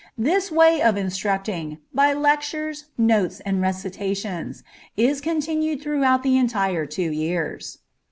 This way of instructing, by lectures, notes, and recitations, is continued throughout the entire two years.